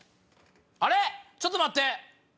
あれ⁉ちょっと待って！